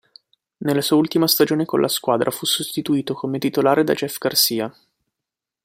Nella sua ultima stagione con la squadra fu sostituito come titolare da Jeff Garcia.